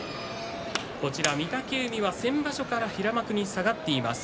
御嶽海は先場所から平幕に下がっています。